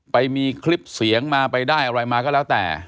ไปมีคลิปเสียงมาไปได้อะไรมาก็แล้วแต่